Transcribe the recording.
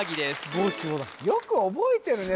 ５・７・５だよく覚えてるね